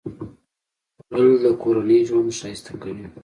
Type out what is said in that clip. خوړل د کورنۍ ژوند ښایسته کوي